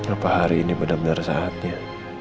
apa hari ini benar benar saatnya